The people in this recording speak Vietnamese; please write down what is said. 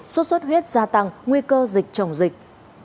sốt suốt huyết gia tăng nguy cơ dịch trồng dịch